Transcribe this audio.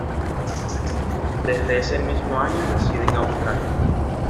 Desde ese mismo año reside en Australia.